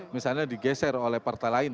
misalnya digeser oleh partai lain